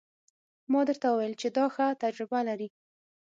ما درته وويل چې دا ښه تجربه لري.